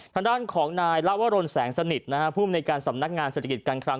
ทางด้านของนายละวรนแสงสนิทภูมิในการสำนักงานเศรษฐกิจการคลัง